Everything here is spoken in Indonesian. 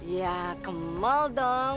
ya ke mall dong